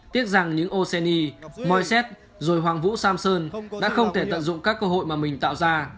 tiếc rằng những oseni moiset rồi hoàng vũ sam sơn đã không thể tận dụng các cơ hội mà mình tạo ra